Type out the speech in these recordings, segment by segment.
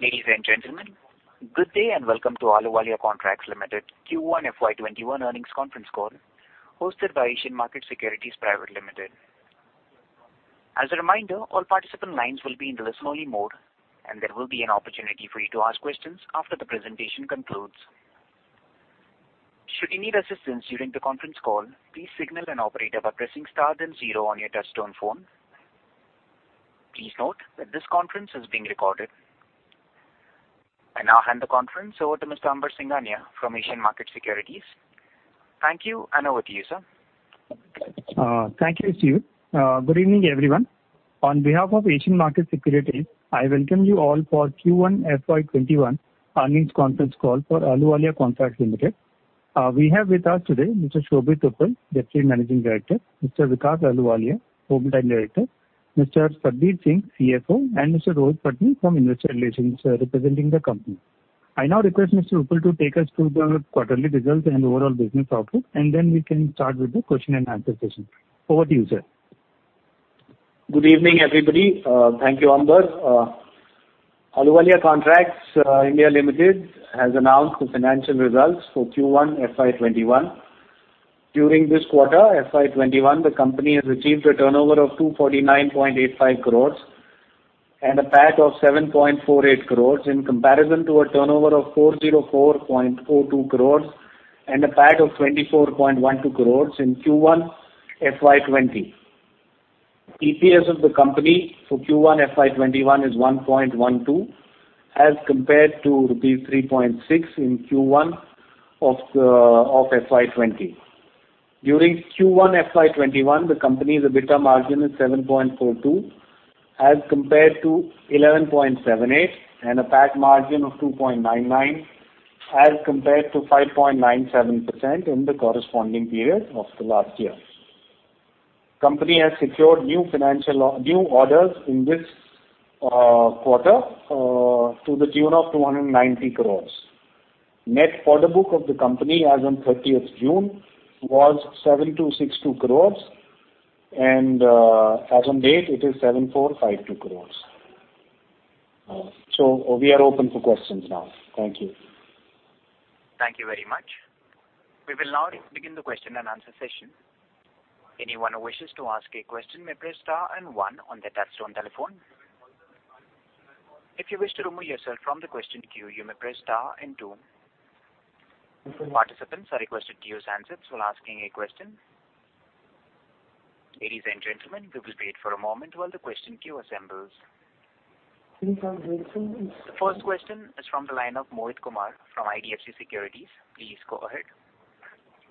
Ladies and gentlemen, good day, and welcome to Ahluwalia Contracts Limited Q1 FY21 Earnings Conference Call, hosted by Asian Markets Securities Private Limited. As a reminder, all participant lines will be in listen-only mode, and there will be an opportunity for you to ask questions after the presentation concludes. Should you need assistance during the conference call, please signal an operator by pressing star then zero on your touchtone phone. Please note that this conference is being recorded. I now hand the conference over to Mr. Amber Singhania from Asian Markets Securities. Thank you, and over to you, sir. Thank you, Steve. Good evening, everyone. On behalf of Asian Markets Securities, I welcome you all for Q1 FY 2021 earnings conference call for Ahluwalia Contracts Limited. We have with us today Mr. Shobhit Uppal, Deputy Managing Director, Mr. Vikas Ahluwalia, Whole Time Director, Mr. Satbeer Singh, CFO, and Mr. Rohit Patni from Investor Relations, representing the company. I now request Mr. Uppal to take us through the quarterly results and overall business output, and then we can start with the question and answer session. Over to you, sir. Good evening, everybody. Thank you, Amber. Ahluwalia Contracts (India) Limited has announced the financial results for Q1 FY 2021. During this quarter, FY 2021, the company has achieved a turnover of 249.85 crores and a PAT of 7.48 crores, in comparison to a turnover of 404.42 crores and a PAT of 24.12 crores in Q1 FY 2020. EPS of the company for Q1 FY 2021 is 1.12, as compared to rupees 3.6 in Q1 of FY 2020. During Q1 FY 2021, the company's EBITDA margin is 7.42%, as compared to 11.78%, and a PAT margin of 2.99%, as compared to 5.97% in the corresponding period of the last year. Company has secured new orders in this quarter to the tune of 290 crore. Net order book of the company as on 30th June was 7,262 crore, and as on date, it is 7,452 crore. We are open for questions now. Thank you. Thank you very much. We will now begin the question and answer session. Anyone who wishes to ask a question may press star and one on their touchtone telephone. If you wish to remove yourself from the question queue, you may press star and two. Participants are requested to use handsets while asking a question. Ladies and gentlemen, we will wait for a moment while the question queue assembles. The first question is from the line of Mohit Kumar from IDFC Securities. Please go ahead.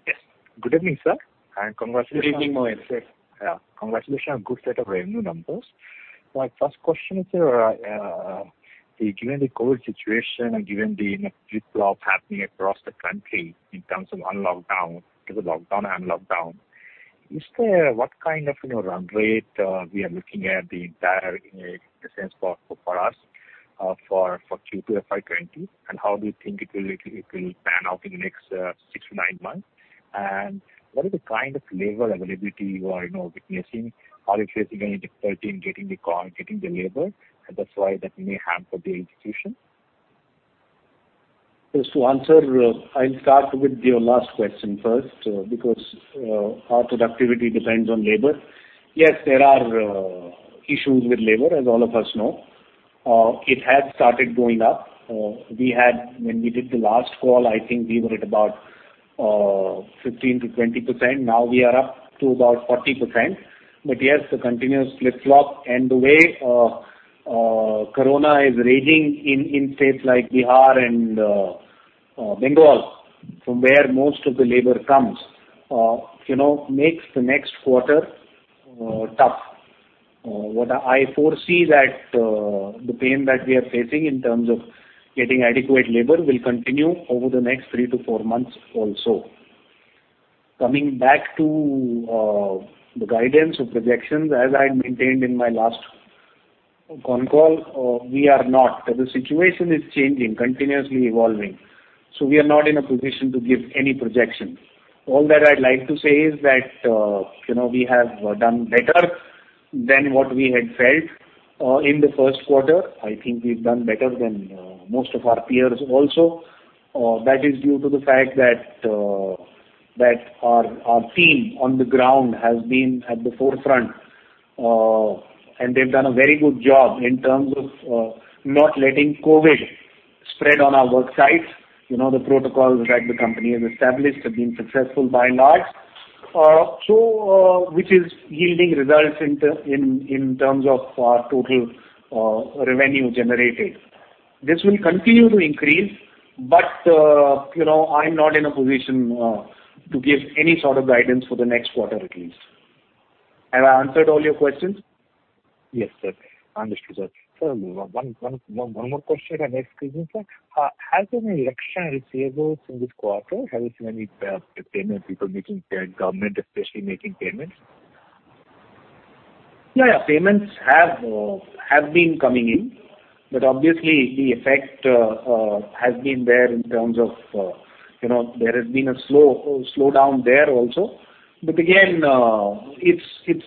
Yes. Good evening, sir, and congratulations. Good evening, Mohit. Yeah. Congratulations on good set of revenue numbers. My first question is, given the COVID situation and given the, you know, flip-flop happening across the country in terms of lockdown to the lockdown and unlockdown, is there, what kind of, you know, run rate we are looking at the entire, in a sense, for us, for Q2 FY 2020? And how do you think it will pan out in the next six to nine months? And what is the kind of labor availability you are, you know, witnessing? Are you facing any difficulty in getting the getting the labor, and that's why that may hamper the execution? Just to answer, I'll start with your last question first, because our productivity depends on labor. Yes, there are issues with labor, as all of us know. It has started going up. We had when we did the last call, I think we were at about 15%-20%. Now, we are up to about 40%. But yes, the continuous flip-flop and the way corona is raging in states like Bihar and Bengal, from where most of the labor comes, you know, makes the next quarter tough. What I foresee that the pain that we are facing in terms of getting adequate labor will continue over the next three to four months also. Coming back to the guidance or projections, as I had maintained in my last con call, we are not in a position to give any projections. The situation is changing, continuously evolving, so we are not in a position to give any projections. All that I'd like to say is that, you know, we have done better than what we had felt in the first quarter. I think we've done better than most of our peers also. That is due to the fact that our team on the ground has been at the forefront, and they've done a very good job in terms of not letting COVID spread on our work sites. You know, the protocols that the company has established have been successful by and large. So, which is yielding results in terms of our total revenue generated. This will continue to increase, but, you know, I'm not in a position to give any sort of guidance for the next quarter at least. Have I answered all your questions? Yes, sir. Understood, sir. So one more question I may ask you, sir. Has there been collection of receivables in this quarter? Have you seen any payment, people making payment, government especially making payments? Yeah, yeah, payments have been coming in, but obviously the effect has been there in terms of—you know, there has been a slowdown there also. But again, it's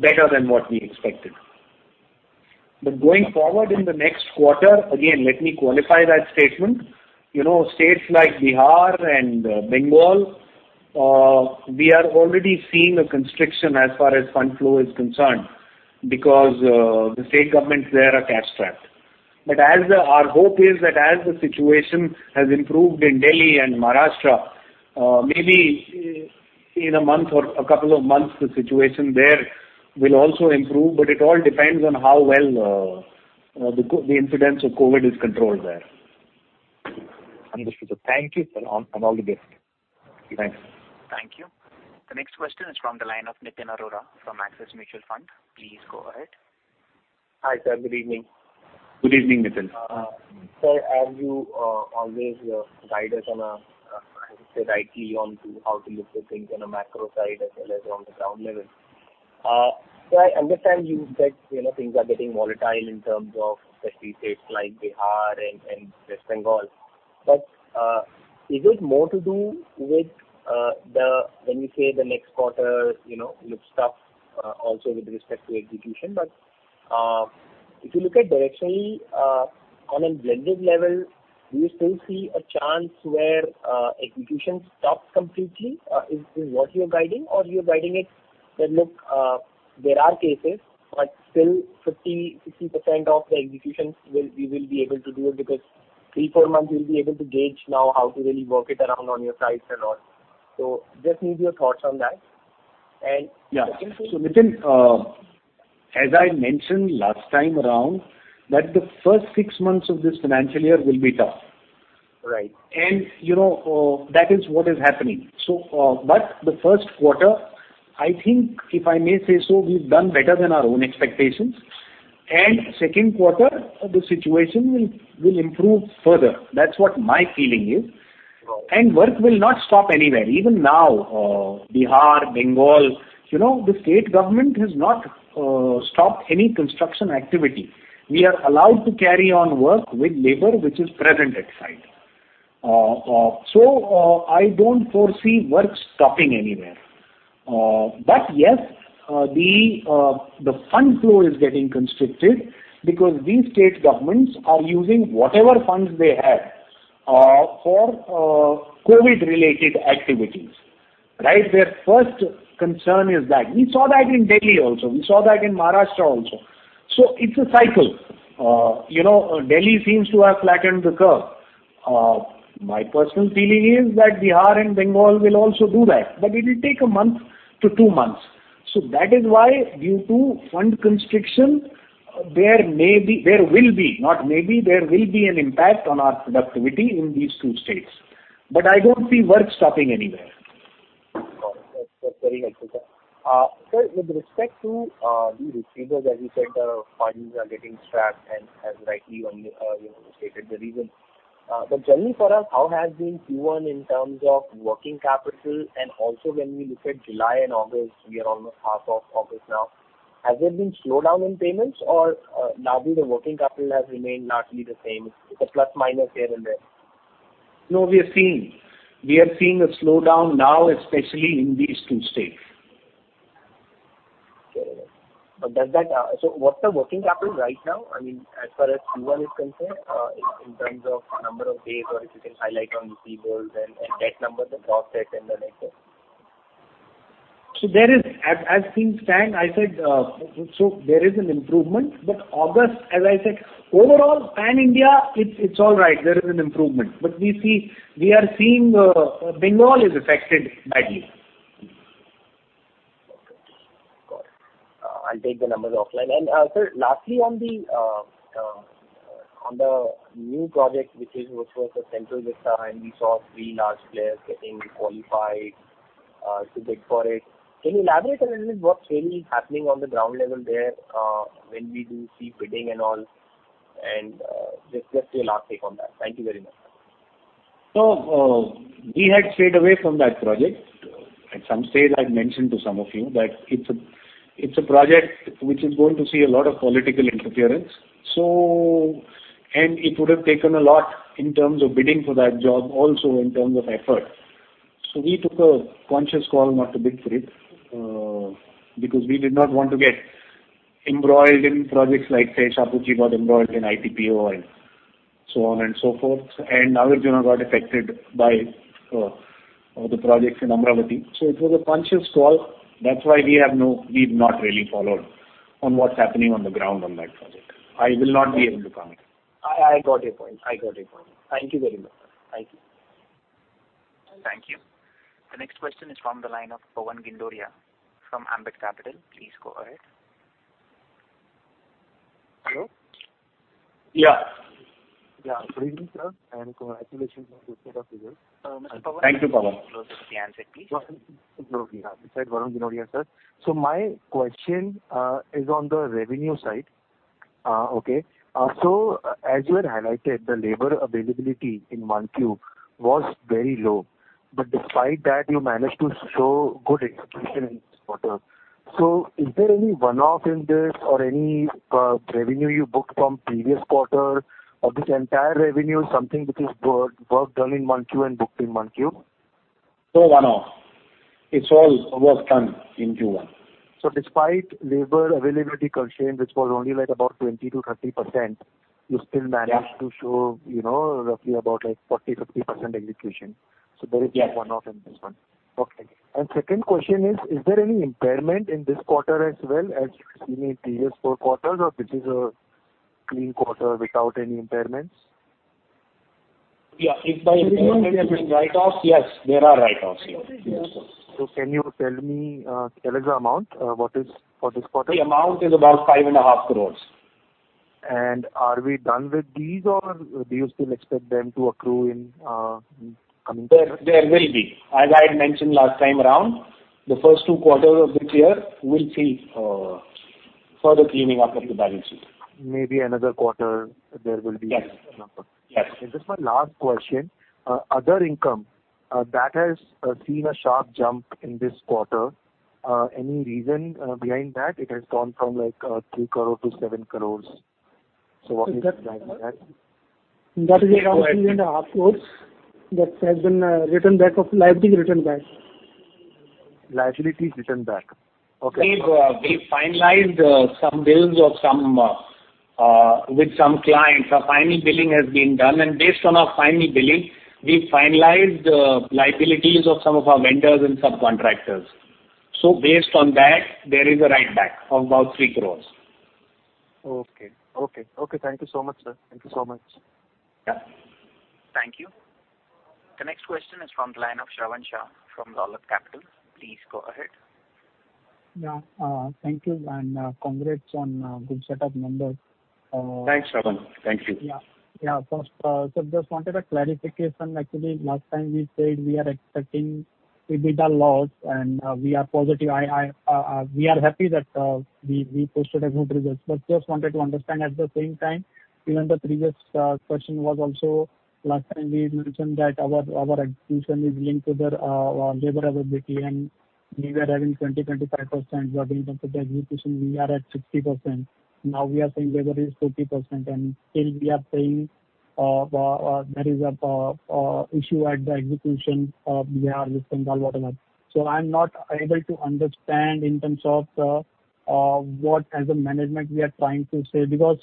better than what we expected. But going forward in the next quarter, again, let me qualify that statement. You know, states like Bihar and Bengal, we are already seeing a constriction as far as fund flow is concerned, because the state governments there are cash strapped. But our hope is that as the situation has improved in Delhi and Maharashtra, maybe in a month or a couple of months, the situation there will also improve, but it all depends on how well the incidence of COVID is controlled there. Understood. Thank you, sir, and all the best. Thanks. Thank you. The next question is from the line of Nitin Arora from Axis Mutual Fund. Please go ahead. Hi, sir. Good evening. Good evening, Nitin. Sir, as you always guide us on a say rightly on to how to look at things on a macro side as well as on the ground level. So I understand you said, you know, things are getting volatile in terms of especially states like Bihar and, and West Bengal, but is it more to do with the—when you say the next quarter, you know, looks tough also with respect to execution? But if you look at directionally on a blended level, do you still see a chance where execution stops completely? Is this what you're guiding, or you're guiding it that, look, there are cases, but still 50%, 60% of the executions will- we will be able to do it, because three, four months, we'll be able to gauge now how to really work it around on your sites and all. So just need your thoughts on that, and- Yeah. Okay, so- Nitin, as I mentioned last time around, that the first six months of this financial year will be tough. Right. You know, that is what is happening. But the first quarter, I think, if I may say so, we've done better than our own expectations. Second quarter, the situation will improve further. That's what my feeling is. Wow! Work will not stop anywhere. Even now, Bihar, Bengal, you know, the state government has not stopped any construction activity. We are allowed to carry on work with labor, which is present at site. So, I don't foresee work stopping anywhere. But yes, the fund flow is getting constricted because these state governments are using whatever funds they have for COVID-related activities, right? Their first concern is that. We saw that in Delhi also. We saw that in Maharashtra also. So it's a cycle. You know, Delhi seems to have flattened the curve. My personal feeling is that Bihar and Bengal will also do that, but it will take a month to two months. So that is why, due to fund constriction, there may be... There will be, not maybe, there will be an impact on our productivity in these two states. But I don't see work stopping anywhere. Got it. That's very helpful, sir. Sir, with respect to the receivables, as you said, the funds are getting strapped and as rightly, you know, you stated the reason. But generally for us, how has been Q1 in terms of working capital? And also when we look at July and August, we are almost half of August now. Has there been slowdown in payments or largely the working capital has remained largely the same, with a plus, minus here and there? No, we are seeing a slowdown now, especially in these two states. Okay. But does that... So what's the working capital right now? I mean, as far as Q1 is concerned, in terms of number of days, or if you can highlight on the receivables and debt numbers, the gross debt and the net debt. So there is, as, as things stand, I said, so there is an improvement, but August, as I said, overall, pan-India, it's, it's all right. There is an improvement. But we see—we are seeing, Bengal is affected badly. Okay, got it. I'll take the numbers offline. Sir, lastly, on the new project, which was the Central Vista, and we saw three large players getting qualified to bid for it. Can you elaborate a little bit, what's really happening on the ground level there, when we do see bidding and all? Just your last take on that. Thank you very much. So, we had stayed away from that project. At some stage, I'd mentioned to some of you that it's a, it's a project which is going to see a lot of political interference. So... And it would have taken a lot in terms of bidding for that job, also in terms of effort. So we took a conscious call not to bid for it, because we did not want to get embroiled in projects like, say, Shapoorji got embroiled in ITPO, so on and so forth, and NCC got affected by, the projects in Amravati. So it was a conscious call. That's why we have we've not really followed on what's happening on the ground on that project. I will not be able to comment. I got your point. I got your point. Thank you very much, sir. Thank you. Thank you. The next question is from the line of Varun Ginodia from Ambit Capital. Please go ahead. Hello? Yeah. Yeah, good evening, sir, and congratulations on the set of results. Mr. Varun- Thank you, Varun. Can you close the line, please? Yeah. It's Varun Ginodia, sir. So my question is on the revenue side, okay? So as you had highlighted, the labor availability in 1Q was very low... But despite that, you managed to show good execution in this quarter. So is there any one-off in this or any revenue you booked from previous quarter, or this entire revenue is something which is work, work done in 1Q and booked in 1Q? No one-off. It's all work done in Q1. So despite labor availability constraint, which was only like about 20%-30%, you still managed- Yeah. -to show, you know, roughly about like 40%-50% execution. Yes. There is no one-off in this one. Okay. Second question is: Is there any impairment in this quarter as well as you've seen in previous four quarters, or this is a clean quarter without any impairments? Yeah, if by impairment you mean write-offs, yes, there are write-offs, yes. Can you tell me, tell us the amount, what is for this quarter? The amount is about 5.5 crore. Are we done with these, or do you still expect them to accrue in coming? There, there will be. As I had mentioned last time around, the first two quarters of this year will see further cleaning up of the balance sheet. Maybe another quarter, there will be- Yes. -a number. Yes. Just my last question, other income, that has seen a sharp jump in this quarter, any reason behind that? It has gone from like, 3 crore-7 crore. So what is behind that? That is around 3.5 crore. That has been written back of liability written back. Liabilities written back. Okay. We've finalized some bills with some clients. Our final billing has been done, and based on our final billing, we finalized liabilities of some of our vendors and subcontractors. So based on that, there is a write back of about 3 crore. Okay. Okay, okay. Thank you so much, sir. Thank you so much. Yeah. Thank you. The next question is from the line of Shravan Shah from Dolat Capital. Please go ahead. Yeah, thank you, and congrats on good set of numbers. Thanks, Shravan. Thank you. Yeah. Yeah, first, so just wanted a clarification. Actually, last time we said we are expecting EBITDA loss, and, we are positive. I, I, we are happy that, we, we posted a good results, but just wanted to understand at the same time, even the previous, question was also last time we mentioned that our, our execution is linked to the, labor availability, and we were having 20%-25%. But in terms of the execution, we are at 60%. Now we are saying labor is 40%, and still we are saying, there is a, issue at the execution of Bihar, West Bengal, whatever. So I'm not able to understand in terms of what as a management we are trying to say, because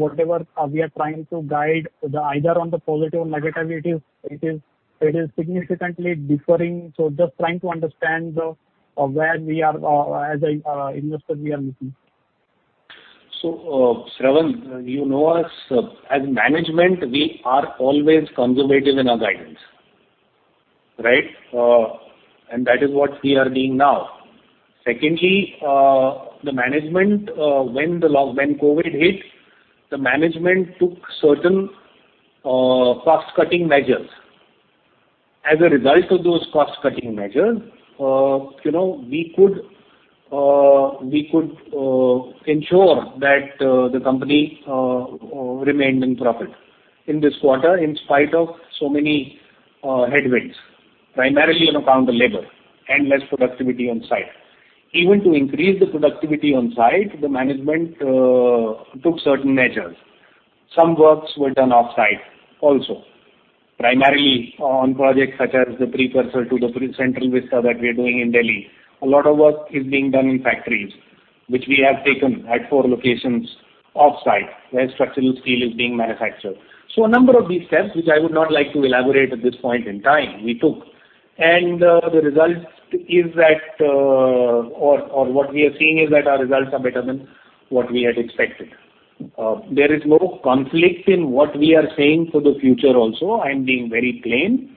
whatever we are trying to guide either on the positive or negative, it is, it is, it is significantly differing. So just trying to understand the where we are as a investor we are looking. Shravan, you know us. As management, we are always conservative in our guidance, right? That is what we are being now. Secondly, the management, when COVID hit, the management took certain cost-cutting measures. As a result of those cost-cutting measures, you know, we could ensure that the company remained in profit in this quarter, in spite of so many headwinds, primarily on account of labor and less productivity on site. Even to increase the productivity on site, the management took certain measures. Some works were done off-site also, primarily on projects such as the precursor to the Central Vista that we're doing in Delhi. A lot of work is being done in factories, which we have taken at four locations off-site, where structural steel is being manufactured. So a number of these steps, which I would not like to elaborate at this point in time, we took, and the result is that, or what we are seeing is that our results are better than what we had expected. There is no conflict in what we are saying for the future also. I'm being very plain.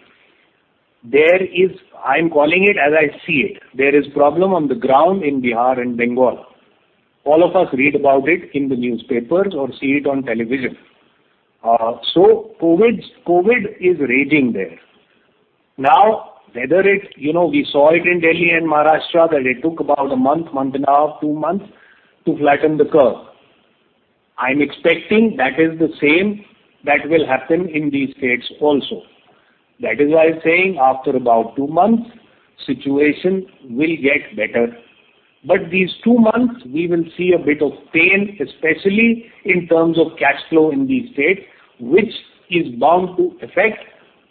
There is. I'm calling it as I see it. There is problem on the ground in Bihar and Bengal. All of us read about it in the newspapers or see it on television. So COVID, COVID is raging there. Now, whether it... You know, we saw it in Delhi and Maharashtra, that it took about a month, month and a half, two months to flatten the curve. I'm expecting that is the same that will happen in these states also. That is why I'm saying after about two months, situation will get better. But these two months, we will see a bit of pain, especially in terms of cash flow in these states, which is bound to affect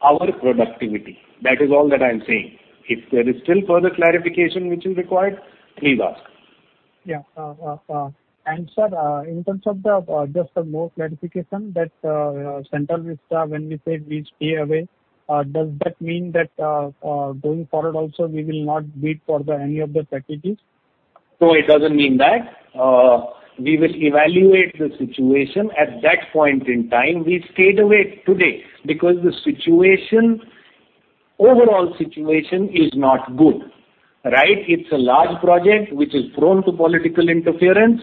our productivity. That is all that I am saying. If there is still further clarification which is required, please ask. Yeah. And, sir, in terms of the, just for more clarification, that Central Vista, when we say we stay away, does that mean that, going forward also we will not bid for the any of the properties? No, it doesn't mean that. We will evaluate the situation at that point in time. We stayed away today because the situation, overall situation is not good, right? It's a large project which is prone to political interference.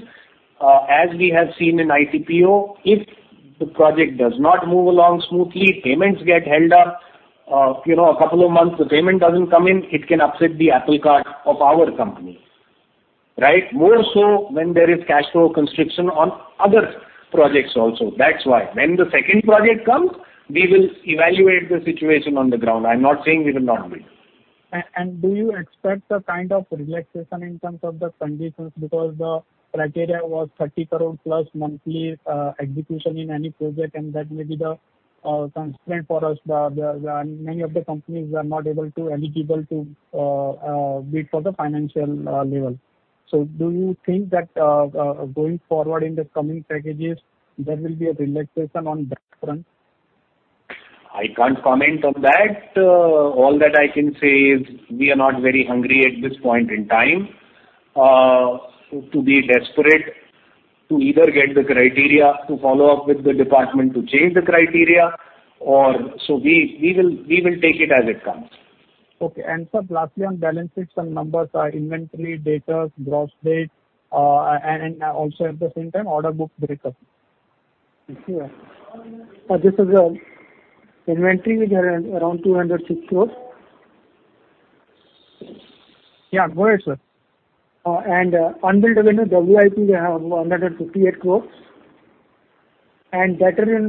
As we have seen in ITPO, if the project does not move along smoothly, payments get held up, you know, a couple of months, the payment doesn't come in, it can upset the apple cart of our company.... right? More so when there is cash flow constriction on other projects also. That's why. When the second project comes, we will evaluate the situation on the ground. I'm not saying we will not win. Do you expect a kind of relaxation in terms of the conditions? Because the criteria was 30 crore+ monthly execution in any project, and that may be the constraint for us. Many of the companies are not eligible to bid for the financial level. So do you think that going forward in the coming packages, there will be a relaxation on that front? I can't comment on that. All that I can say is we are not very hungry at this point in time to be desperate to either get the criteria to follow up with the department to change the criteria or... So we will take it as it comes. Okay. Sir, lastly, on balance sheet, some numbers are inventory, debtors, gross debt, and also at the same time, order book breakup. Sure. This is, inventory is around INR 206 crores. Yeah, go ahead, sir. And unbilled revenue, WIP, we have 158 crores. And debtor in,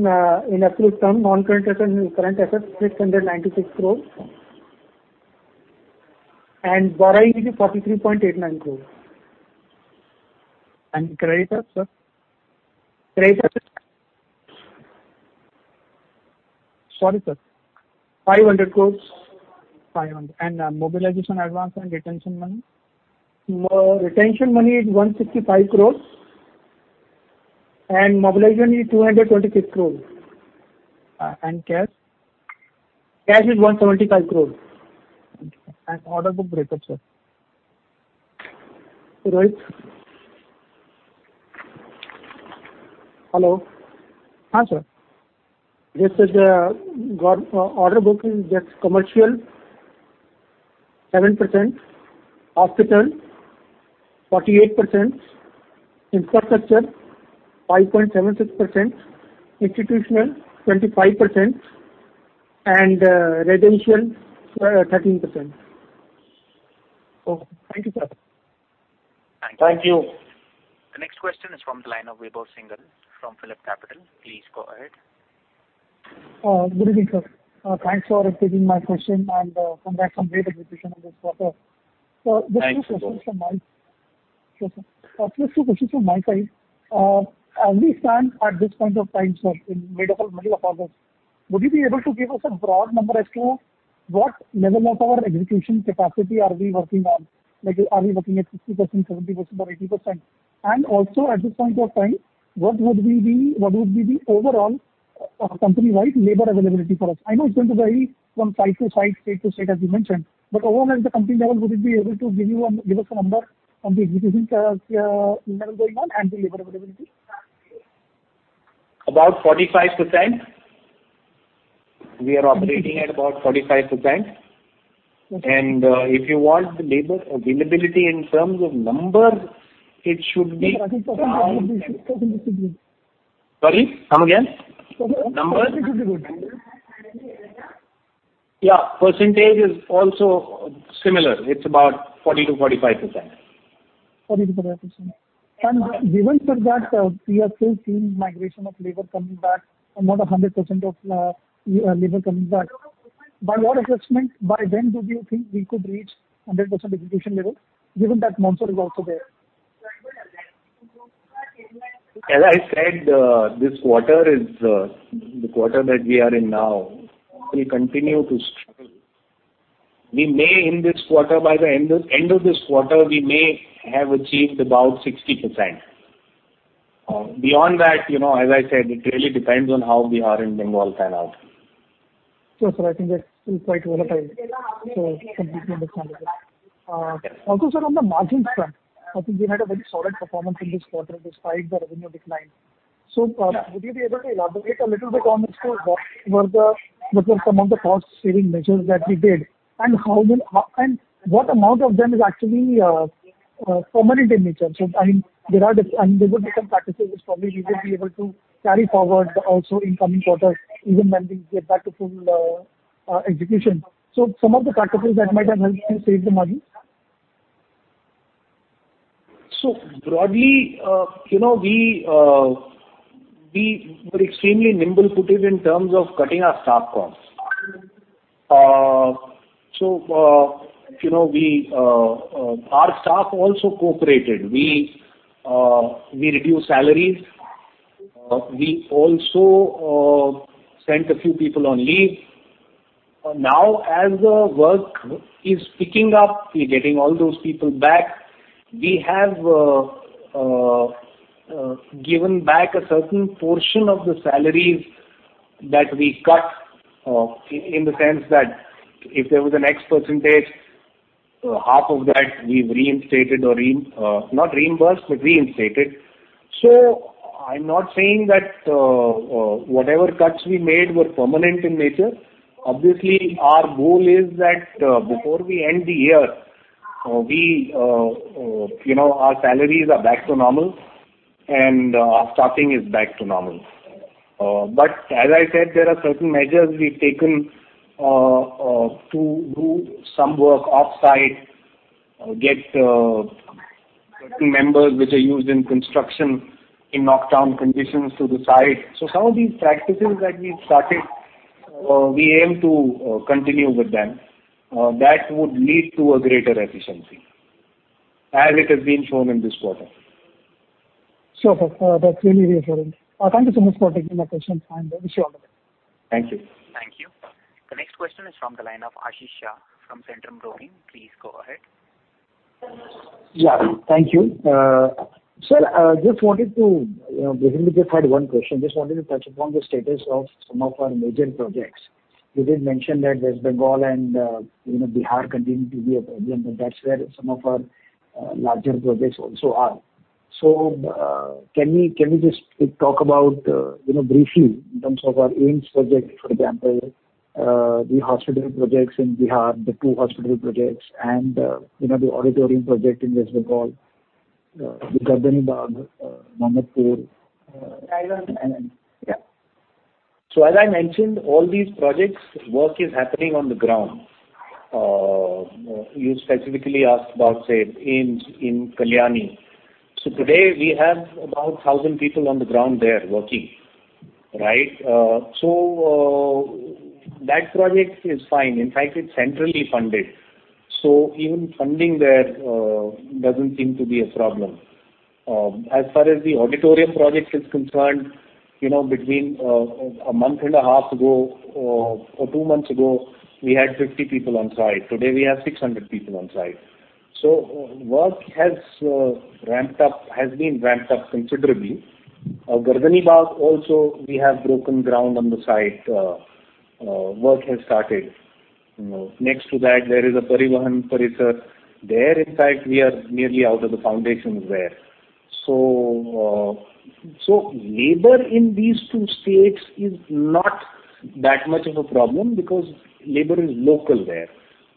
in absolute term, non-current assets and current assets, 696 crores. And borrowing is 43.89 crores. Creditors, sir? Creditors. Sorry, sir, INR 500 crore. 500 crore. And, mobilization advance and retention money? Retention money is 165 crores, and mobilization is 226 crores. And cash? Cash is 175 crore. Order book break-up, sir? Right. Hello? Hi, sir. This is order booking, that's commercial, 7%, hospital, 48%, infrastructure, 5.76%, institutional, 25%, and residential, 13%. Okay. Thank you, sir. Thank you. The next question is from the line of Vibhor Singhal from Phillip Capital. Please go ahead. Good evening, sir. Thanks for taking my question, and congrats on great execution on this quarter. Thanks, Vibhor. Sure, sir. Just two questions from my side. As we stand at this point of time, sir, in the middle of August, would you be able to give us a broad number as to what level of our execution capacity are we working on? Like, are we working at 60%, 70%, or 80%? And also, at this point of time, what would be the overall company-wide labor availability for us? I know it's going to vary from site to site, state to state, as you mentioned, but overall, at the company level, would you be able to give us a number on the execution level going on and the labor availability? About 45%. We are operating at about 45%. Okay. If you want the labor availability in terms of number, it should be- 40% Sorry, come again. Number? Percentage would be good. Yeah, percentage is also similar. It's about 40%-45%. 40%-45%. Given that, we are still seeing migration of labor coming back and not 100% of labor coming back, by your assessment, by when do you think we could reach 100% execution level, given that monsoon is also there? As I said, this quarter is, the quarter that we are in now, we continue to struggle. We may, in this quarter, by the end of, end of this quarter, we may have achieved about 60%. Beyond that, you know, as I said, it really depends on how we are in Bengal pan out. Sure, sir, I think that's still quite volatile, so completely understandable. Also, sir, on the margin front, I think we had a very solid performance in this quarter, despite the revenue decline. Yeah. So would you be able to elaborate a little bit on as to what were the, what were some of the cost-saving measures that we did, and how will... and what amount of them is actually permanent in nature? So, I mean, there would be some practices which probably we will be able to carry forward also in coming quarters, even when we get back to full execution. So some of the practices that might have helped you save the margin? So broadly, you know, we were extremely nimble-footed in terms of cutting our staff costs. So, you know, our staff also cooperated. We reduced salaries. We also sent a few people on leave. Now, as the work is picking up, we're getting all those people back. We have given back a certain portion of the salaries that we cut, in the sense that if there was an X percentage, half of that we've reinstated or re- not reimbursed, but reinstated. So I'm not saying that whatever cuts we made were permanent in nature. Obviously, our goal is that before we end the year, you know, our salaries are back to normal and our staffing is back to normal. But as I said, there are certain measures we've taken to do some work off-site, get certain members which are used in construction in lockdown conditions to the site. So some of these practices that we've started, we aim to continue with them. That would lead to a greater efficiency as it has been shown in this quarter. Sure, sir. That's really reassuring. Thank you so much for taking my questions, and I wish you all the best. Thank you. Thank you. The next question is from the line of Ashish Shah from Centrum Broking. Please go ahead. Yeah, thank you. Sir, I just wanted to, you know, basically, just had one question. Just wanted to touch upon the status of some of our major projects. You did mention that West Bengal and, you know, Bihar continue to be a problem, and that's where some of our, larger projects also are. So, can we, can we just talk about, you know, briefly in terms of our AIIMS project, for example, the hospital projects in Bihar, the two hospital projects, and, you know, the auditorium project in West Bengal, the Gardanibagh, Mohammedpur. So as I mentioned, all these projects, work is happening on the ground. You specifically asked about, say, AIIMS in Kalyani. So today, we have about 1,000 people on the ground there working, right? So that project is fine. In fact, it's centrally funded, so even funding there doesn't seem to be a problem. As far as the auditorium project is concerned, you know, between a month and a half ago or two months ago, we had 50 people on site. Today, we have 600 people on site. So work has ramped up, has been ramped up considerably. Gardanibagh, also, we have broken ground on the site. Work has started. You know, next to that, there is a Parivahan Parisar. There, in fact, we are nearly out of the foundations there. So, labor in these two states is not that much of a problem because labor is local there.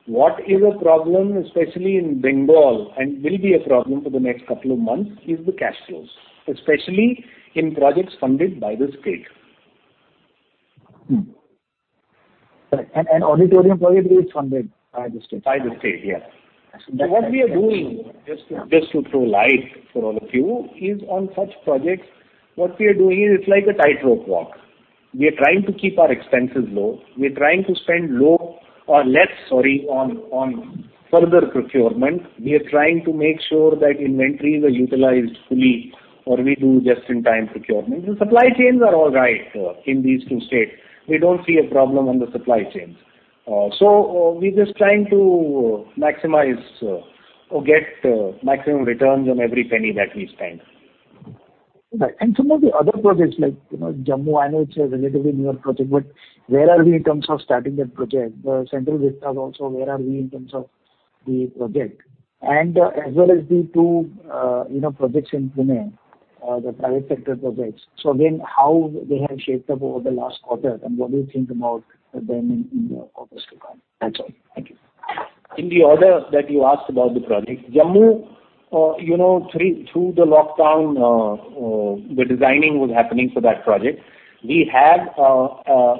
What is a problem, especially in Bengal, and will be a problem for the next couple of months, is the cash flows, especially in projects funded by the state. auditorium project is funded by the state? By the state, yeah. That's- So what we are doing? Just, just to throw light for all of you, is on such projects, what we are doing is it's like a tightrope walk. We are trying to keep our expenses low. We are trying to spend low or less, sorry, on further procurement. We are trying to make sure that inventories are utilized fully, or we do just-in-time procurement. The supply chains are all right in these two states. We don't see a problem on the supply chains. So, we're just trying to maximize or get maximum returns on every penny that we spend. Right. And some of the other projects, like, you know, Jammu, I know it's a relatively newer project, but where are we in terms of starting that project? The Central Vista also, where are we in terms of the project? And as well as the two, you know, projects in Pune, the private sector projects. So again, how they have shaped up over the last quarter, and what do you think about them in the quarters to come? That's all. Thank you. In the order that you asked about the project, Jammu, you know, through the lockdown, the designing was happening for that project. We have,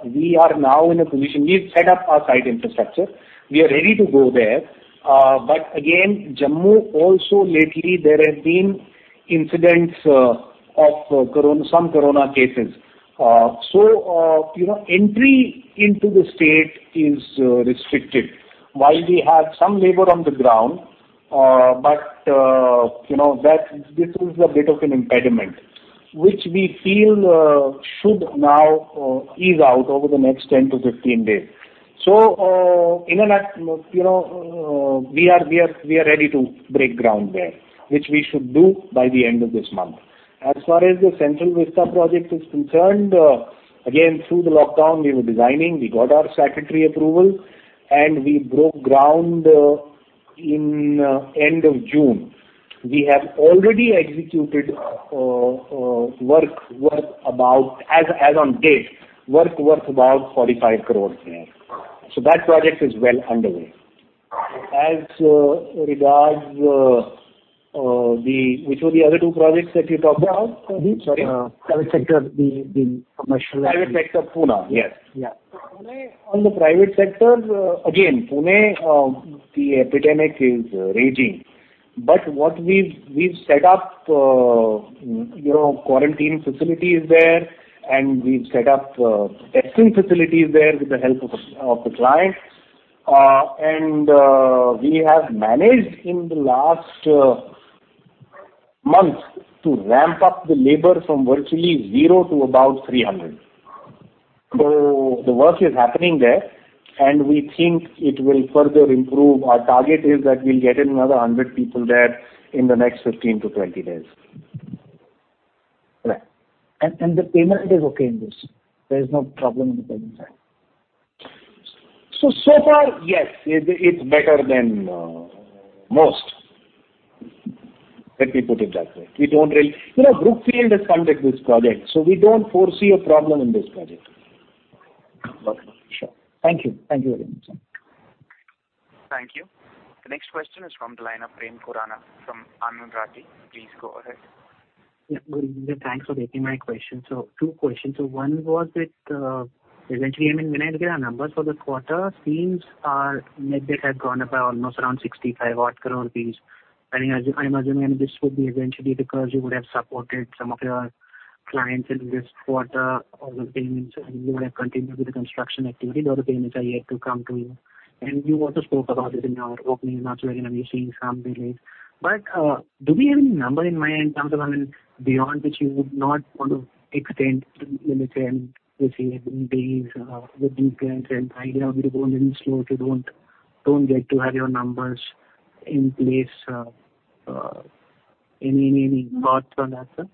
we are now in a position... We've set up our site infrastructure. We are ready to go there. But again, Jammu also lately, there have been incidents, of corona, some corona cases. So, you know, entry into the state is restricted. While we have some labor on the ground, but, you know, that, this is a bit of an impediment, which we feel, should now, ease out over the next 10 to 15 days. So, in a nut-- you know, we are, we are ready to break ground there, which we should do by the end of this month. As far as the Central Vista project is concerned, again, through the lockdown, we were designing. We got our secretary approval, and we broke ground, in end of June. We have already executed, work worth about, as on date, work worth about 45 crore there. So that project is well underway. As regards the - Which were the other two projects that you talked about? Sorry. Private sector, the commercial- Private sector, Pune, yes. Yeah. On the private sector, again, Pune, the epidemic is raging. But what we've set up, you know, quarantine facilities there, and we've set up, testing facilities there with the help of the client. And we have managed in the last month to ramp up the labor from virtually zero to about 300. So the work is happening there, and we think it will further improve. Our target is that we'll get in another 100 people there in the next 15-20 days. Right. And the payment is okay in this? There is no problem in the payment there. So, so far, yes, it's better than most. Let me put it that way. We don't really... You know, Brookfield has funded this project, so we don't foresee a problem in this project. Okay. Sure. Thank you. Thank you very much. ...Thank you. The next question is from the line of Prem Khurana from Anand Rathi. Please go ahead. Yeah, good evening. Thanks for taking my question. So two questions. So one was that, eventually, I mean, when I look at our numbers for this quarter, things are, net debt have gone up by almost around 65 crore rupees. I mean, I, I'm assuming this would be eventually because you would have supported some of your clients in this quarter on the payments, and you would have continued with the construction activity, but the payments are yet to come to you. And you also spoke about this in your opening remarks, where you're seeing some delays. But, do we have any number in mind in terms of, I mean, beyond which you would not want to extend the limit and receive in days, with due care and high ground, you go in slow, you don't, don't get to have your numbers in place, any, any, any thoughts on that, sir?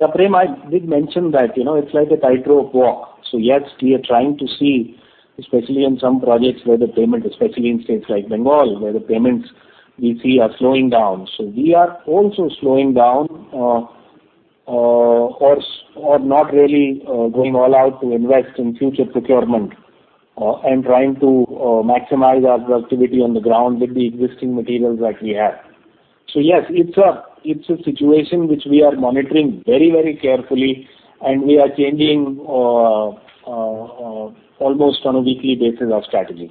Yeah, Prem, I did mention that, you know, it's like a tightrope walk. So yes, we are trying to see, especially on some projects where the payment, especially in states like Bengal, where the payments we see are slowing down. So we are also slowing down, or not really going all out to invest in future procurement, and trying to maximize our productivity on the ground with the existing materials that we have. So yes, it's a situation which we are monitoring very, very carefully, and we are changing almost on a weekly basis our strategy.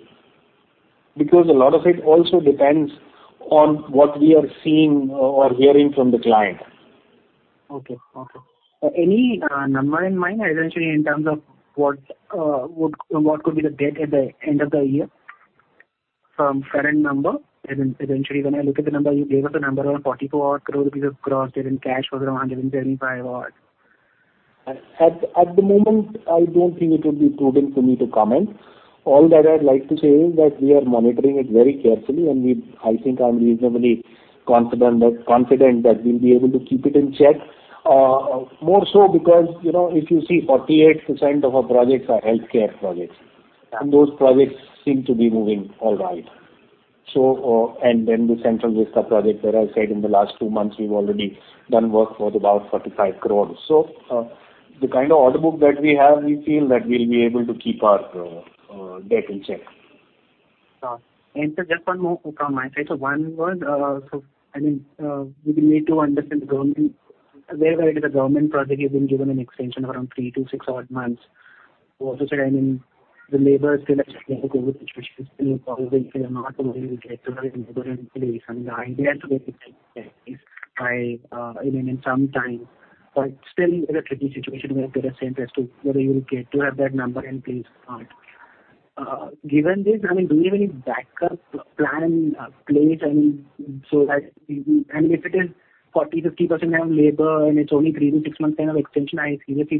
Because a lot of it also depends on what we are seeing or hearing from the client. Okay. Okay. Any number in mind, essentially, in terms of what could be the debt at the end of the year from current number? And then eventually, when I look at the number, you gave us a number around 44 crore rupees of gross, given cash was around 75. At the moment, I don't think it would be prudent for me to comment. All that I'd like to say is that we are monitoring it very carefully, and we—I think I'm reasonably confident that we'll be able to keep it in check. More so because, you know, if you see 48% of our projects are healthcare projects, and those projects seem to be moving all right. So, the kind of order book that we have, we feel that we'll be able to keep our debt in check. Sir, just one more from my side. So one word, so I mean, we will need to understand the government, wherever it is a government project, you've been given an extension around three to six odd months. Also, sir, I mean, the labor situation is still probably, if you're not going to get the labor in place, and I get to get by, I mean, in some time, but still it's a tricky situation where they are saying as to whether you will get to have that number in place or not. Given this, I mean, do you have any backup plan in place? I mean, so that, I mean, if it is 40%, 50% have labor, and it's only three to six months kind of extension, I seriously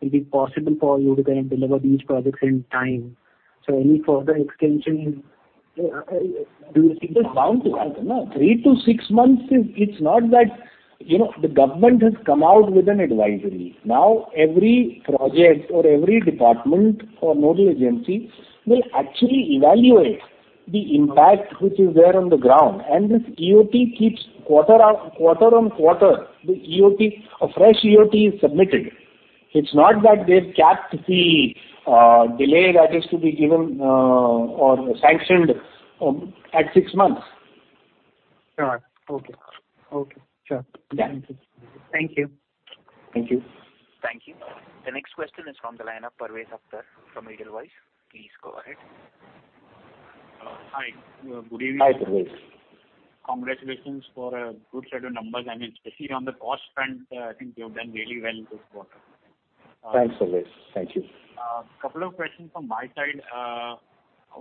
doubt it will be possible for you to then deliver these projects in time. So any further extension, do you think it's bound to happen, no? Three to six months, it's not that, you know, the government has come out with an advisory. Now, every project or every department or nodal agency will actually evaluate the impact which is there on the ground. And this EOT keeps quarter-on-quarter, the EOT, a fresh EOT is submitted. It's not that they've capped the delay that is to be given or sanctioned at six months. All right. Okay. Okay. Sure. Yeah. Thank you. Thank you. Thank you. The next question is from the line of Parvez Akhtar from Edelweiss. Please go ahead. Hi, good evening. Hi, Parvez. Congratulations for a good set of numbers. I mean, especially on the cost front, I think you've done really well this quarter. Thanks, Parvez. Thank you. Couple of questions from my side.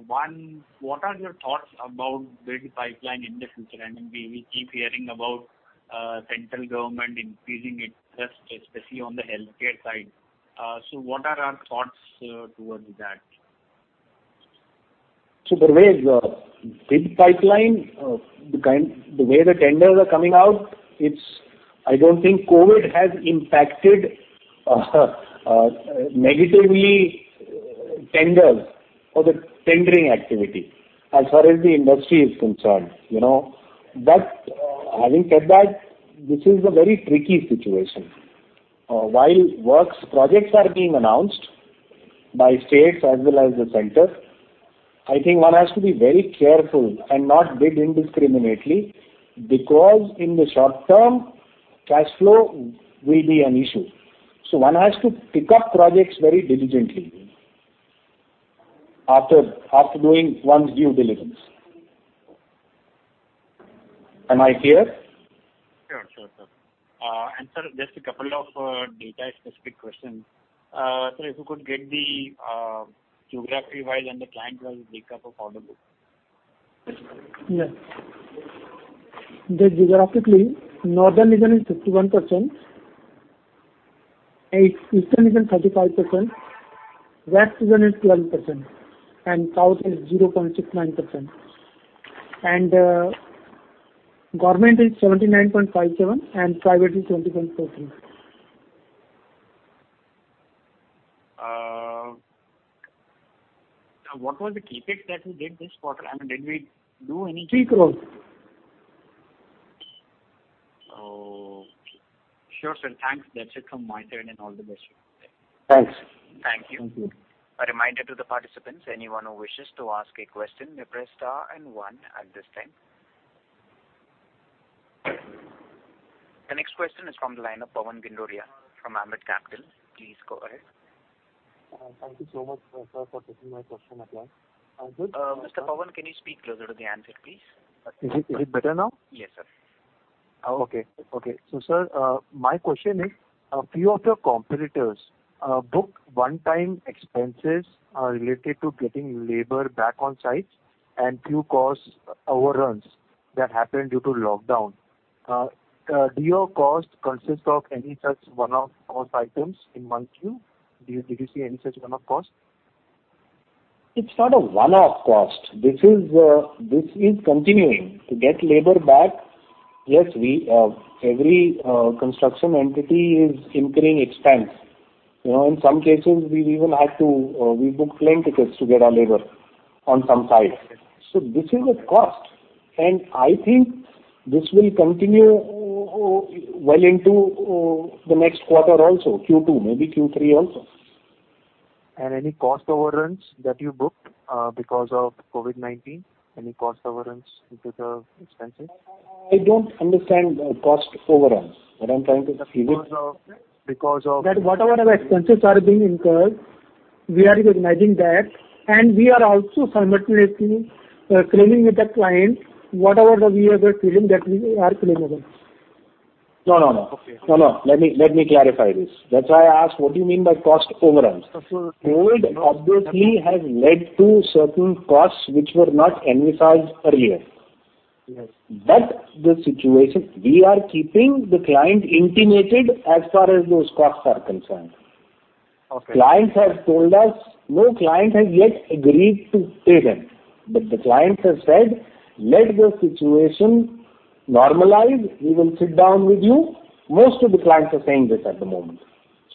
One, what are your thoughts about bid pipeline in the future? I mean, we keep hearing about central government increasing its trust, especially on the healthcare side. So what are our thoughts towards that? So Parvez, bid pipeline, the way the tenders are coming out, it's... I don't think COVID has impacted negatively tenders or the tendering activity as far as the industry is concerned, you know. But, having said that, this is a very tricky situation. While works projects are being announced by states as well as the center, I think one has to be very careful and not bid indiscriminately, because in the short term, cash flow will be an issue. So one has to pick up projects very diligently after doing one's due diligence. Am I clear? Sure, sure, sir. And sir, just a couple of data-specific questions. Sir, if you could get the geography-wise and the client-wise breakup of order book. Yes. The geographically, northern region is 51%, eastern region, 35%, west region is 12%, and south is 0.69%. And, government is 79.57%, and private is 20.43%. Now, what was the CapEx that we did this quarter? I mean, did we do any- 3 crores.... Sure, sir. Thanks. That's it from my turn, and all the best. Thanks. Thank you. Thank you. A reminder to the participants, anyone who wishes to ask a question, may press star and one at this time. The next question is from the line of Varun Ginodia from Ambit Capital. Please go ahead. Thank you so much, sir, for taking my question again. Mr. Varun, can you speak closer to the handset, please? Is it, is it better now? Yes, sir. Okay. Okay. So, sir, my question is, a few of your competitors, booked one-time expenses, related to getting labor back on site and few cost overruns that happened due to lockdown. Do your costs consist of any such one-off cost items in month view? Do you- did you see any such one-off costs? It's not a one-off cost. This is, this is continuing. To get labor back, yes, we, every construction entity is incurring expense. You know, in some cases, we've even had to, we book plane tickets to get our labor on some sites. So this is a cost, and I think this will continue, well into the next quarter also, Q2, maybe Q3 also. Any cost overruns that you booked, because of COVID-19? Any cost overruns into the expenses? I don't understand, cost overruns. What I'm trying to say- Because of that, whatever expenses are being incurred, we are recognizing that, and we are also simultaneously claiming with the client whatever that we are feeling that we are claimable. No, no, no. Okay. No, no. Let me, let me clarify this. That's why I asked, what do you mean by cost overruns? Absolutely. COVID obviously has led to certain costs which were not envisaged earlier. Yes. The situation, we are keeping the client intimated as far as those costs are concerned. Okay. Clients have told us, no client has yet agreed to pay them. But the clients have said, "Let the situation normalize, we will sit down with you." Most of the clients are saying this at the moment.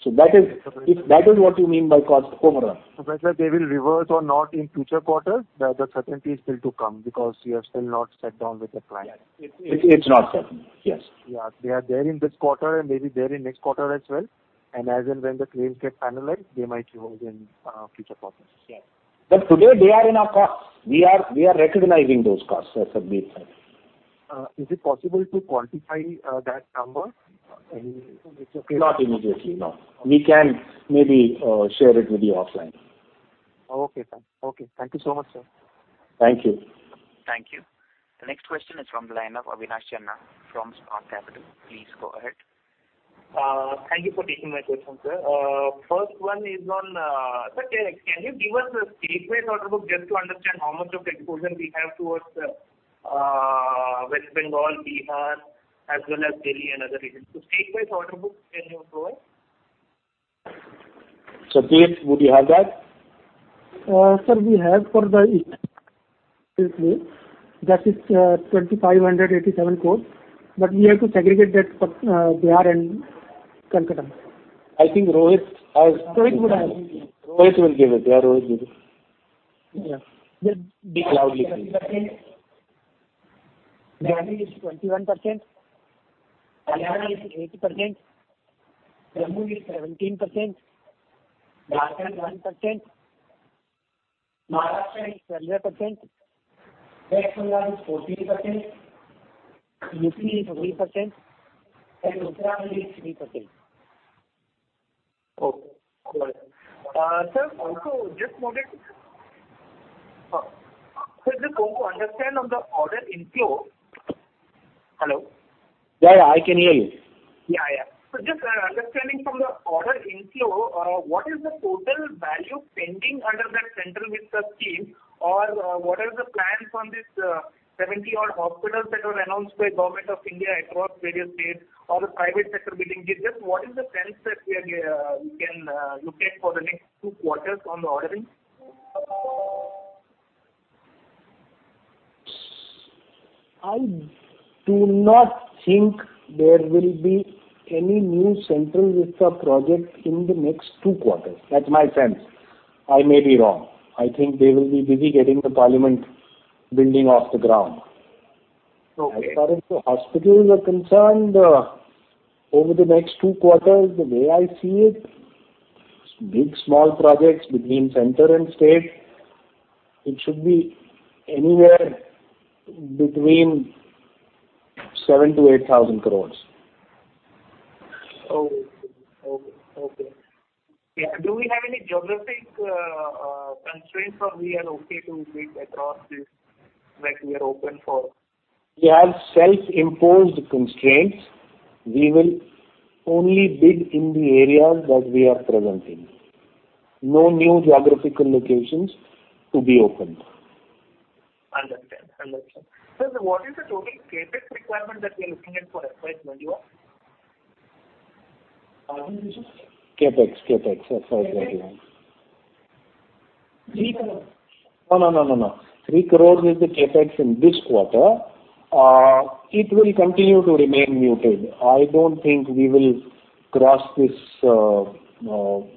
So that is- Okay. If that is what you mean by cost overruns. Whether they will reverse or not in future quarters, the certainty is still to come because you have still not sat down with the client. Yes. It's not certain, yes. Yeah. They are there in this quarter and maybe there in next quarter as well, and as and when the claims get finalized, they might rise in future quarters. Yes. But today, they are in our costs. We are, we are recognizing those costs, as of this time. Is it possible to quantify that number? And it's okay- Not immediately, no. Okay. We can maybe share it with you offline. Okay, fine. Okay, thank you so much, sir. Thank you. Thank you. The next question is from the line of Avinash Chenna from Spark Capital. Please go ahead. Thank you for taking my question, sir. First one is on... Sir, can you give us a statewise order book just to understand how much of exposure we have towards West Bengal, Bihar, as well as Delhi and other regions? So statewise order book, can you provide? Satbeer, would you have that? Sir, we have for the, that is, 2,587 crores, but we have to segregate that for Bihar and Kolkata. I think Rohit has- Rohit would have. Rohit will give it. Yeah, Rohit, give it. Yeah. Be loudly, please. Delhi is 21%, Haryana is 8%, Jammu is 17%, Jharkhand 1%, Maharashtra is 12%, West Bengal is 14%, UP is 3%, and Uttarakhand is 3%. Okay. Sir, also just wanted... Sir, just to understand on the order inflow. Hello? Yeah, yeah, I can hear you. Yeah, yeah. So just, understanding from the order inflow, what is the total value pending under that Central Vista scheme? Or, what are the plans on this, 70-odd hospitals that were announced by Government of India across various states or the private sector bidding? Just what is the sense that we are, we can, look at for the next two quarters on the ordering? I do not think there will be any new Central Vista project in the next two quarters. That's my sense. I may be wrong. I think they will be busy getting the Parliament building off the ground. Okay. As far as the hospitals are concerned, over the next two quarters, the way I see it, big, small projects between center and state, it should be anywhere between INR 7,000 crore-INR 8,000 crore. Okay. Okay, okay. Yeah, do we have any geographic constraints or we are okay to bid across this, like we are open for? We have self-imposed constraints. We will only bid in the areas that we are present in. No new geographical locations to be opened. Understood. Understood. Sir, what is the total CapEx requirement that we are looking at for FY 2021? Pardon me, sir? CapEx, CapEx, FY 2021. CapEx? INR 3 crore. No, no, no, no, no. INR 3 crores is the CapEx in this quarter. It will continue to remain muted. I don't think we will cross this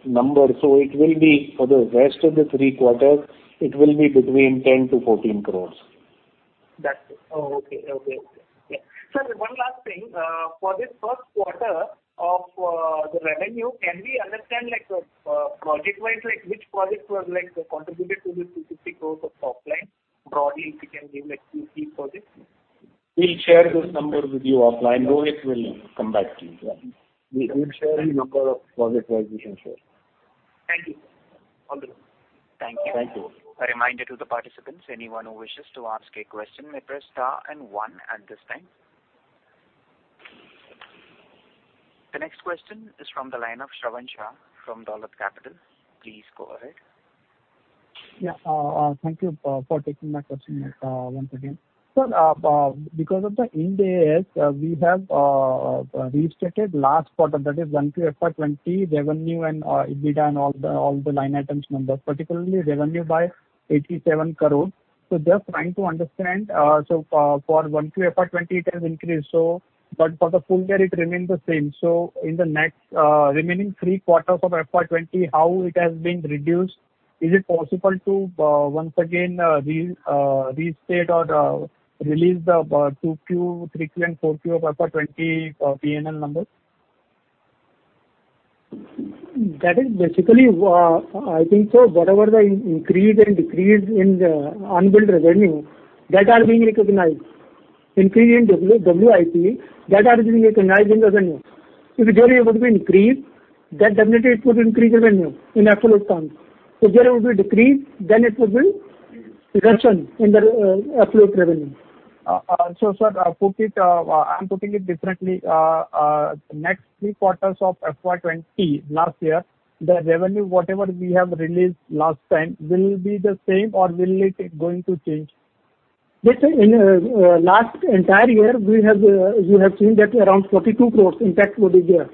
number. So it will be, for the rest of the three quarters, it will be between 10 crores-14 crores. ... That's it. Oh, okay. Okay, okay. Yeah. Sir, one last thing, for this first quarter of the revenue, can we understand, like, project-wise, like, which project was, like, contributed to this specific growth of top line? Broadly, if you can give, like, two, three projects. We'll share those numbers with you offline. Rohit will come back to you. Yeah. We will share the number of project-wise we can share. Thank you. All good. Thank you. Thank you. A reminder to the participants, anyone who wishes to ask a question, may press star and one at this time. The next question is from the line of Shravan Shah from Dolat Capital. Please go ahead. Yeah, thank you for taking my question once again. Sir, because of the IND AS, we have restated last quarter, that is, 1Q FY 2020, revenue and EBITDA, and all the line items numbers, particularly revenue by 87 crore. So just trying to understand, so for 1Q FY 2020, it has increased, so but for the full year, it remains the same. So in the next remaining three quarters of FY 2020, how it has been reduced, is it possible to once again restate or release the 2Q, 3Q, and 4Q of FY 2020 P&L numbers? That is basically, I think so whatever the increase and decrease in the unbilled revenue, that are being recognized. Increase in WIP, that are being recognized in the revenue. If there would be increase, that definitely it would increase revenue in absolute terms. So there would be decrease, then it would be reduction in the absolute revenue. So, sir, I'm putting it differently. Next three quarters of FY 2020 last year, the revenue, whatever we have released last time, will it be the same or will it going to change? This in last entire year, you have seen that around 42 crore impact would be there.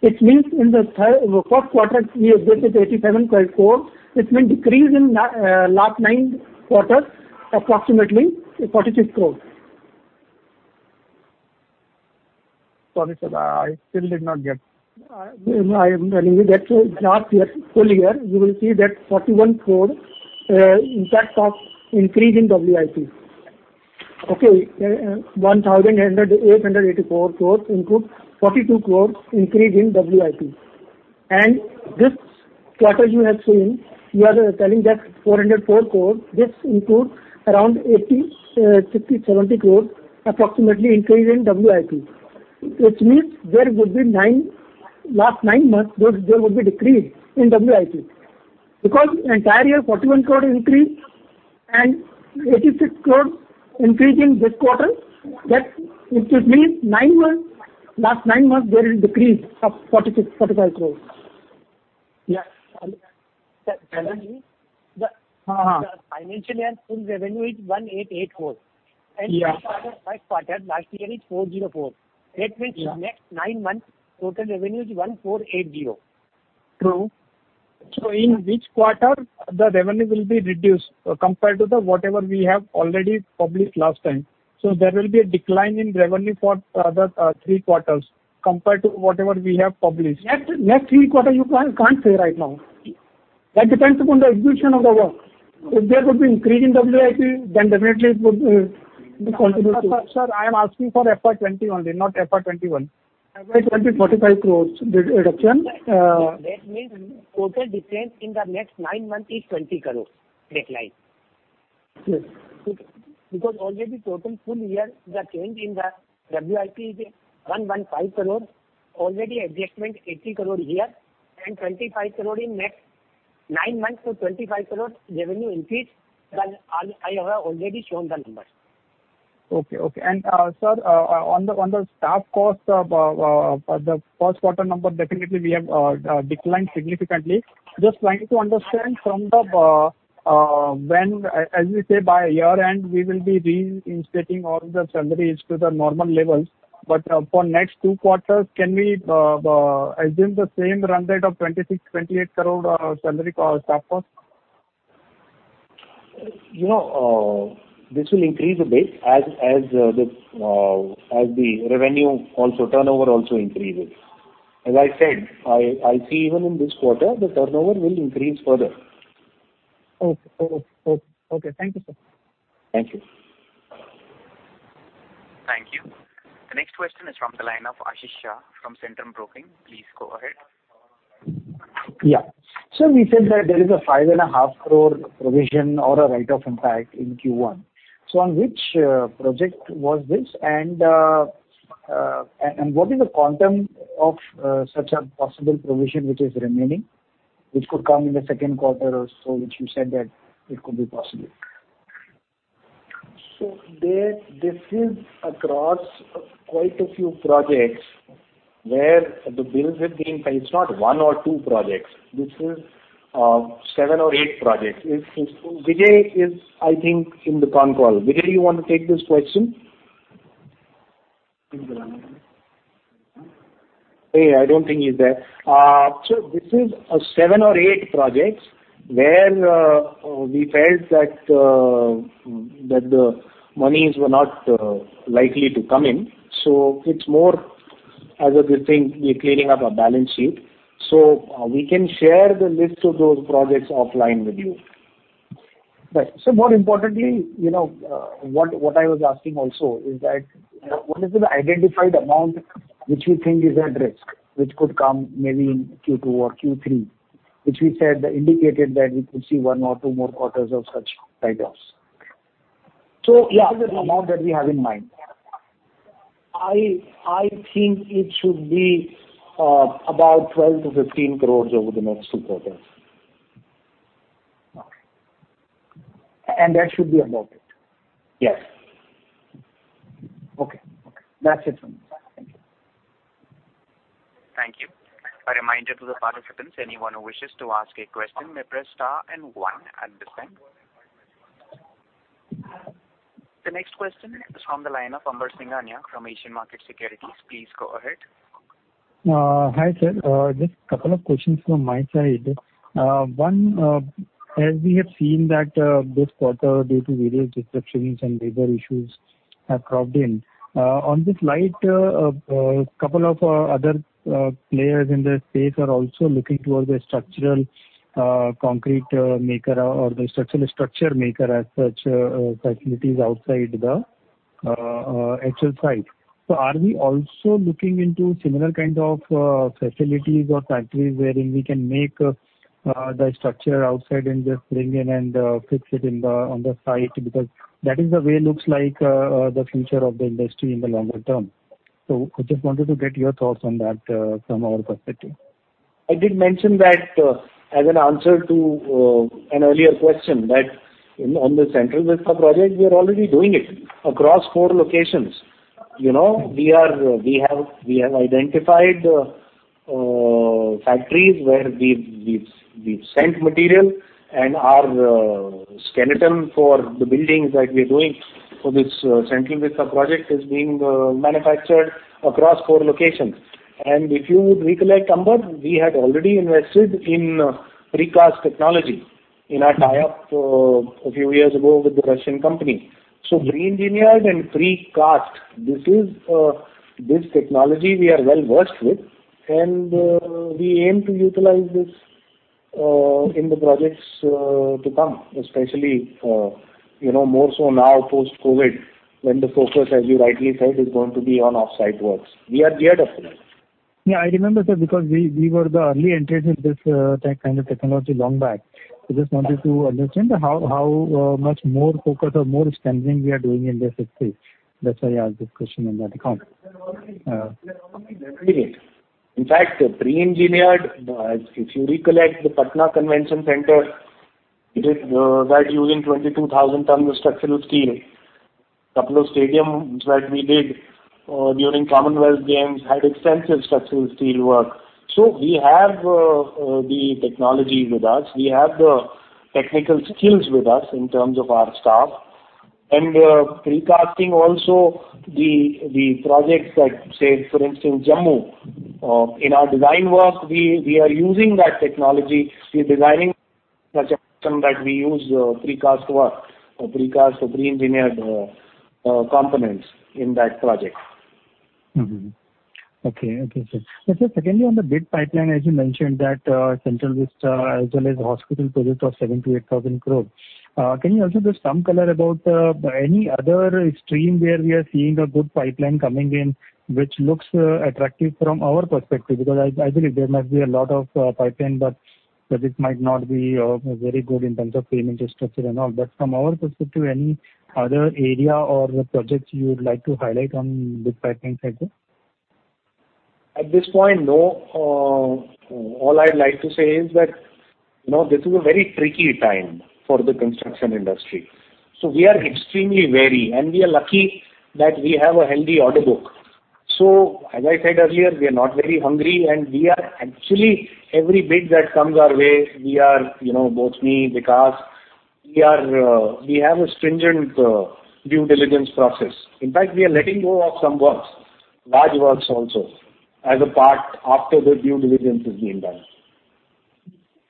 Which means in the first quarter, we have booked 87 crore, which means decrease in last nine quarters, approximately 46 crore. Sorry, sir, I still did not get. I am telling you that last year, full year, you will see that 41 crore, impact of increase in WIP. Okay, 1,884 crores include 42 crore increase in WIP. And this quarter you have seen, you are telling that 404 crore, this includes around 80, 60, 70 crores approximately increase in WIP. Which means there would be nine -- last nine months, there would be decrease in WIP. Because entire year, 41 crore increase and 86 crore increase in this quarter, that it would mean nine months, last nine months, there is decrease of 46 crore, 45 crore. Yeah. The, the- Uh, uh. The financial year full revenue is 188 crore. Yeah. Last quarter, last year is 404 crore. Yeah. That means next nine months, total revenue is 1,480. True. So in which quarter the revenue will be reduced compared to the whatever we have already published last time? So there will be a decline in revenue for the three quarters compared to whatever we have already published. Next three quarters, you can't say right now. That depends upon the execution of the work. If there would be increase in WIP, then definitely it would contribute to- Sir, I am asking for FY 2020 only, not FY 2021. FY 2020, 45 crore reduction. That means total decrease in the next nine months is 20 crore decline. Yes. Because already total full year, the change in the WIP is 115 crore. Already adjustment, 80 crore here, and 25 crore in next nine months, so 25 crore revenue increase, then I, I have already shown the numbers. Okay, okay. And, sir, on the staff cost of the first quarter number, definitely we have declined significantly. Just trying to understand from the when... As you say, by year-end, we will be reinstating all the salaries to the normal levels, but for next two quarters, can we assume the same run rate of 26 crore-28 crore, salary cost, staff cost? You know, this will increase a bit as the revenue also, turnover also increases. As I said, I see even in this quarter, the turnover will increase further. Okay, okay, okay. Thank you, sir. Thank you. Thank you. The next question is from the line of Ashish Shah from Centrum Broking. Please go ahead. Yeah. So we said that there is a 5.5 crore provision or a write-off impact in Q1. So on which project was this? And what is the quantum of such a possible provision which is remaining, which could come in the second quarter or so, which you said that it could be possible? This is across quite a few projects where the bills have been paid. It's not one or two projects. This is seven or eight projects. Vijay is, I think, in the con call. Vijay, you want to take this question? Hey, I don't think he's there. So this is seven or eight projects where we felt that the monies were not likely to come in, so it's more, as of this thing, we're cleaning up our balance sheet. So we can share the list of those projects offline with you. Right. So more importantly, you know, what, what I was asking also is that, what is the identified amount which you think is at risk, which could come maybe in Q2 or Q3, which we said, indicated that we could see one or two more quarters of such write-offs? So, yeah- What is the amount that we have in mind? I think it should be about 12 crores-15 crores over the next two quarters. Okay. And that should be about it? Yes. Okay, okay. That's it from me. Thank you. Thank you. A reminder to the participants, anyone who wishes to ask a question, may press star and one at this time. The next question is from the line of Amber Singhania from Asian Markets Securities. Please go ahead. Hi, sir. Just a couple of questions from my side. One, as we have seen that, this quarter, due to various disruptions and labor issues have cropped in. On this light, couple of other players in the space are also looking towards a structural concrete maker or the structural steel maker as such, facilities outside the actual site. So are we also looking into similar kind of facilities or factories wherein we can make the structure outside and just bring in and fix it on the site? Because that is the way it looks like, the future of the industry in the longer term. So I just wanted to get your thoughts on that, from our perspective. I did mention that, as an answer to an earlier question, that on the Central Vista project, we are already doing it across four locations. You know, we have identified factories where we've sent material and our skeleton for the buildings that we're doing for this Central Vista project is being manufactured across four locations. And if you would recollect, Amber, we had already invested in precast technology in our tie-up a few years ago with the Russian company. So pre-engineered and precast, this is this technology we are well versed with, and we aim to utilize this in the projects to come, especially, you know, more so now post-COVID, when the focus, as you rightly said, is going to be on off-site works. We are geared up for that. Yeah, I remember, sir, because we were the early entrants in this tech kind of technology long back. I just wanted to understand how much more focused or more strengthening we are doing in this space. That's why I asked this question on that account. In fact, pre-engineered, if you recollect, the Patna Convention Centre, it is that using 22,000 tons of structural steel. Couple of stadiums that we did during Commonwealth Games had extensive structural steel work. So we have the technology with us. We have the technical skills with us in terms of our staff. And precasting also, the projects like, say, for instance, Jammu, in our design work, we are using that technology. We're designing such a system that we use precast work or precast or pre-engineered components in that project. Mm-hmm. Okay. Okay, sir. But sir, secondly, on the bid pipeline, as you mentioned, that Central Vista, as well as hospital project of 78,000 crore, can you also give some color about any other stream where we are seeing a good pipeline coming in, which looks attractive from our perspective? Because I believe there might be a lot of pipeline, but that it might not be very good in terms of payment structure and all. But from our perspective, any other area or projects you would like to highlight on the pipeline side, sir? At this point, no. All I'd like to say is that, you know, this is a very tricky time for the construction industry. So we are extremely wary, and we are lucky that we have a healthy order book. So as I said earlier, we are not very hungry, and we are actually every bid that comes our way, we are, you know, both me, Vikas, we are we have a stringent due diligence process. In fact, we are letting go of some works, large works also, as a part after the due diligence is being done.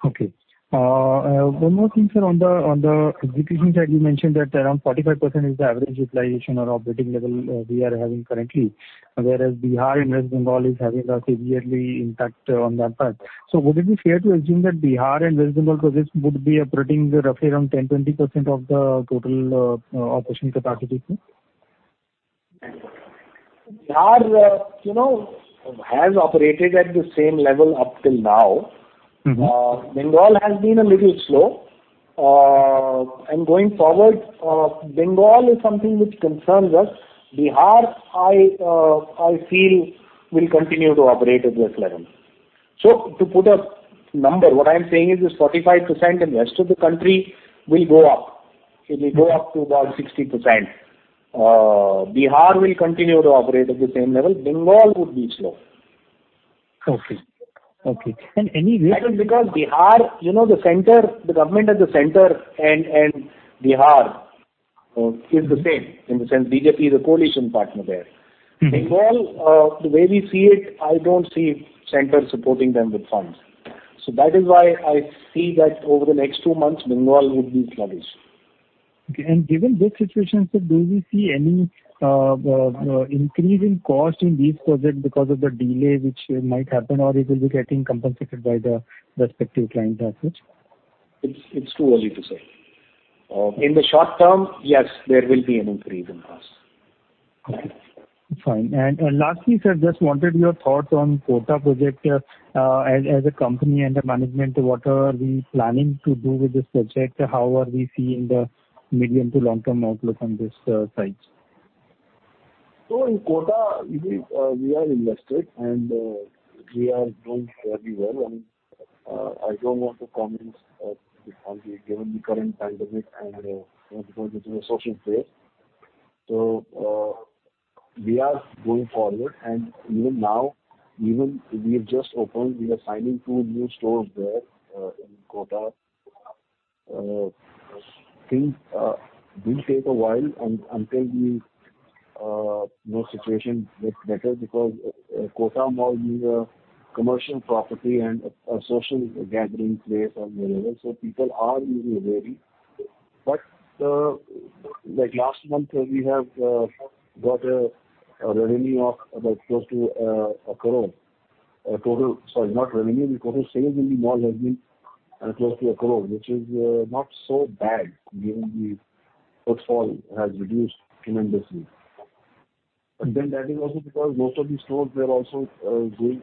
Okay. One more thing, sir, on the, on the execution side, you mentioned that around 45% is the average utilization or operating level we are having currently, whereas Bihar and West Bengal is having a severely impact on that part. So would it be fair to assume that Bihar and West Bengal projects would be operating roughly around 10%-20% of the total operation capacity? Bihar, you know, has operated at the same level up till now. Mm-hmm. Bengal has been a little slow. Going forward, Bengal is something which concerns us. Bihar, I feel will continue to operate at this level. To put a number, what I'm saying is this 45% in rest of the country will go up. It will go up to about 60%. Bihar will continue to operate at the same level. Bengal would be slow. Okay. Okay. And any reason? That is because Bihar, you know, the center, the government at the center and Bihar, is the same, in the sense BJP is a coalition partner there. Mm-hmm. Bengal, the way we see it, I don't see center supporting them with funds. So that is why I see that over the next two months, Bengal would be sluggish.... Okay, and given this situation, sir, do we see any increase in cost in these projects because of the delay which might happen, or it will be getting compensated by the respective client as such? It's, it's too early to say. In the short term, yes, there will be an increase in cost. Fine. And, and lastly, sir, just wanted your thoughts on Kota project. As, as a company and a management, what are we planning to do with this project? How are we seeing the medium to long-term outlook on this site? So in Kota, we are invested, and we are doing very well. And I don't want to comment on the given the current pandemic and you know, because it's a social place. So we are going forward, and even now, even we've just opened, we are signing two new stores there in Kota. Things will take a while until the you know, situation gets better because Kota Mall is a commercial property and a social gathering place and whatever, so people are a little wary. But like last month, we have got a revenue of about close to a crore. Total... Sorry, not revenue. The total sales in the mall has been close to 1 crore, which is not so bad, given the footfall has reduced tremendously. But then that is also because most of the stores, they're also going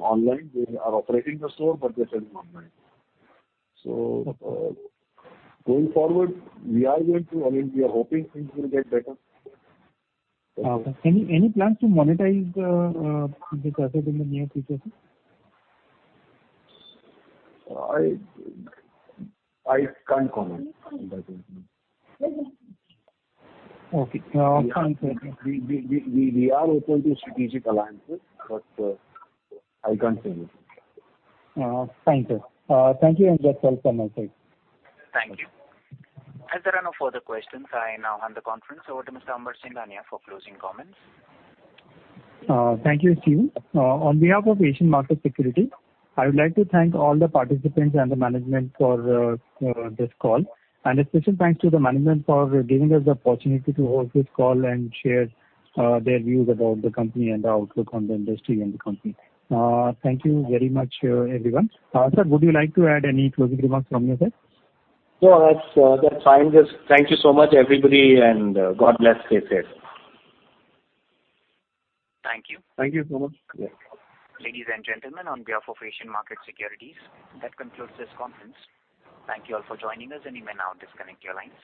online. They are operating the store, but they're selling online. So, going forward, we are going to... I mean, we are hoping things will get better. Any plans to monetize the project in the near future, sir? I can't comment on that one. Okay. Thank you. We are open to strategic alliances, but I can't say more. Thank you. Thank you, and that's all from my side. Thank you. As there are no further questions, I now hand the conference over to Mr. Amber Singhania for closing comments. Thank you, Steven. On behalf of Asian Markets Securities, I would like to thank all the participants and the management for this call. A special thanks to the management for giving us the opportunity to host this call and share their views about the company and the outlook on the industry and the company. Thank you very much, everyone. Sir, would you like to add any closing remarks from your side? No, that's fine. Just thank you so much, everybody, and God bless. Stay safe. Thank you. Thank you so much. Ladies and gentlemen, on behalf of Asian Markets Securities, that concludes this conference. Thank you all for joining us, and you may now disconnect your lines.